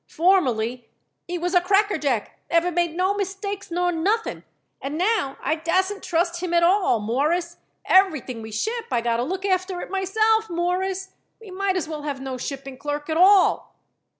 "Formerly he was a crackerjack never made no mistakes nor nothing; and now I dassen't trust him at all, Mawruss. Everything we ship I got to look after it myself, Mawruss. We might as well have no shipping clerk at all."